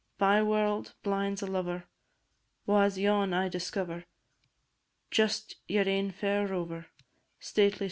Byeword, blind 's a lover Wha 's yon I discover? Just yer ain fair rover, Stately stappin' down.